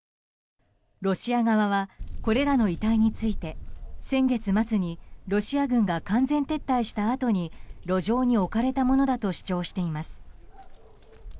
ロシア側はこれらの遺体について先月末にロシア軍が完全撤退したあとに路上に置かれたものだと主張しています。